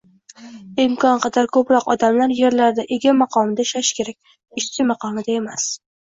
Imkon qadar ko‘proq odamlar yerlarda «ega» maqomida ishlashi kerak — «ishchi» maqomida emas.